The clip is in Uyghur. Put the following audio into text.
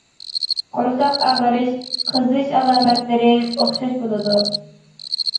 قورساق ئاغرىش، قىزىش ئالامەتلىرى ئوخشاش بولىدۇ.